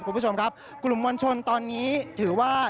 คุณผู้ชมครับกลุ่มมวลชนตอนนี้ถือว่า